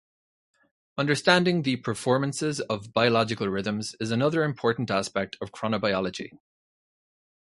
Understanding the performances of biological rhythms is another important aspect of chronobiology.